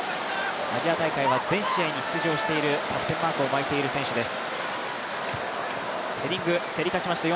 アジア大会は全試合に出場している、キャプテンマークを巻いている選手です。